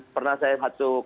pernah saya masuk